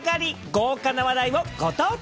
豪華な話題をご当地